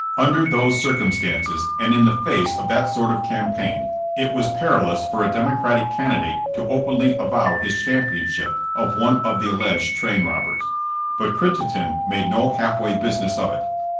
*' Under those circumstances and in the face of that sort of campaign, it was perilous for a democratic candidate to openly avow his championship of one of the alleged train robbers. But Crittenden made no half way business of it.